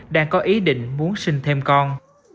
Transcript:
đang có ý định muốn sinh thêm con